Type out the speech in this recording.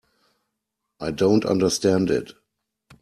I don't understand it.